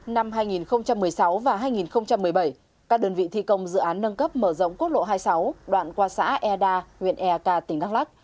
năm hai nghìn một mươi sáu và hai nghìn một mươi bảy các đơn vị thi công dự án nâng cấp mở rộng quốc lộ hai mươi sáu đoạn qua xã a đa huyện ek tỉnh đắc lắc